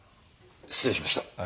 失礼しました。